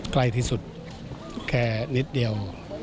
ใกล้ที่สุดแค่นิดเดียว